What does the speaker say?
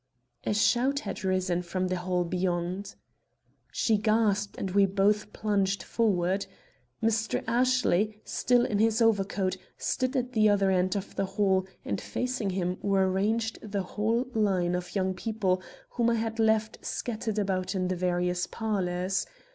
A shout had risen from the hall beyond. She gasped and we both plunged forward. Mr. Ashley, still in his overcoat, stood at the other end of the hall, and facing him were ranged the whole line of young people whom I had left scattered about in the various parlors.